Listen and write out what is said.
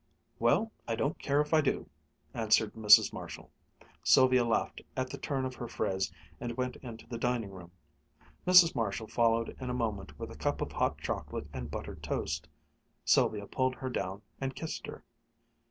"Well, I don't care if I do," answered Mrs. Marshall. Sylvia laughed at the turn of her phrase and went into the dining room. Mrs. Marshall followed in a moment with a cup of hot chocolate and buttered toast. Sylvia pulled her down and kissed her.